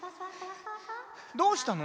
どうしたの？